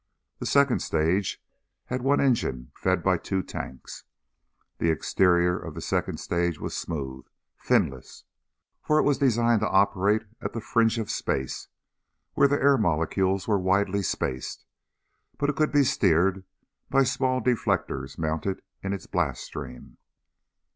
The second stage had one engine fed by two tanks. The exterior of the second stage was smooth, finless, for it was designed to operate at the fringe of space where the air molecules were widely spaced; but it could be steered by small deflectors mounted in its blast stream.